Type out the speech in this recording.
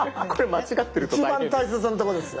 一番大切なとこですよ。